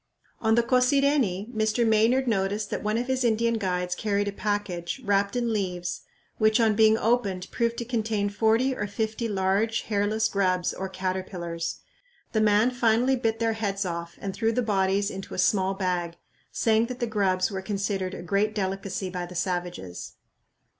On the Cosireni Mr. Maynard noticed that one of his Indian guides carried a package, wrapped in leaves, which on being opened proved to contain forty or fifty large hairless grubs or caterpillars. The man finally bit their heads off and threw the bodies into a small bag, saying that the grubs were considered a great delicacy by the savages.